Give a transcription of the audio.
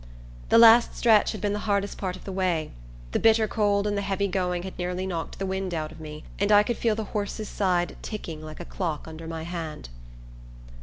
The last stretch had been the hardest part of the way. The bitter cold and the heavy going had nearly knocked the wind out of me, and I could feel the horse's side ticking like a clock under my hand.